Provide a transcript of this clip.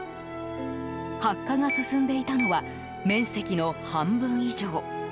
白化が進んでいたのは面積の半分以上。